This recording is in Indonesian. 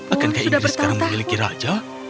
akankah inggris sekarang memiliki raja